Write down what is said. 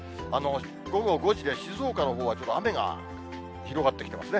午後５時で静岡のほうは雨が広がってきてますね。